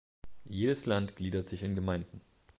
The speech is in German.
Jedes Land gliedert sich in Gemeinden.